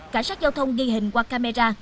cảnh sát giao thông ghi hình qua camera